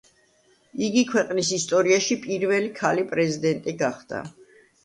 იგი ქვეყნის ისტორიაში პირველი ქალი-პრეზიდენტი გახდა.